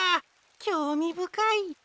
きょうみぶかい。